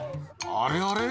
「あれあれ？